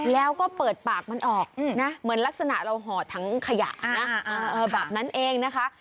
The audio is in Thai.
แล้วก็เปิดปากมันออกนะเหมือนลักษณะเราห่อทั้งขยะนะแบบนั้นเองนะคะ